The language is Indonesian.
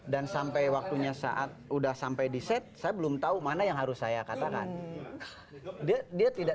dan sampai waktunya saat udah sampai di set saya belum tahu mana yang harus saya katakan dia tidak